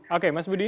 oke mas budi